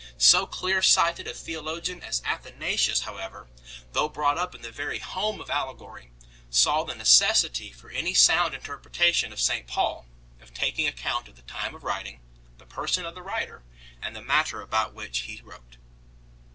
So clear sighted a theologian as Athanasius however, though brought up in the very home of allegory, saw the necessity, for any sound interpretation of St Paul, of taking account of the time of writing, the person of the writer, and the matter about which he wrote 6